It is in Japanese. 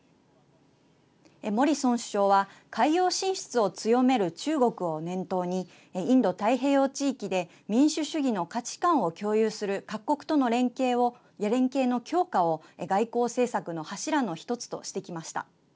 モリソン首相は海洋進出を強める中国を念頭にインド太平洋地域で民主主義の価値観を共有する各国との連携の強化を外交政策の柱の一つとしてきました。